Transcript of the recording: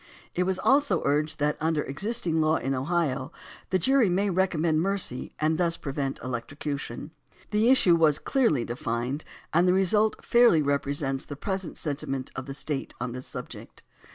It was also urged that under existing law in Ohio the jury may recommend mercy and thus prevent electrocution. The issue was clearly defined and the result fairly represents the present senti ment of the State on this subject.